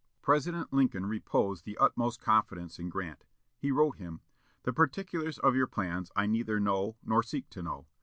President Lincoln reposed the utmost confidence in Grant. He wrote him: "The particulars of your plans I neither know nor seek to know.